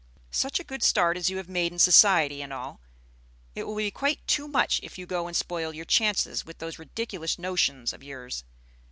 Such a good start as you have made in society, and all; it will be quite too much if you go and spoil your chances with those ridiculous notions of yours.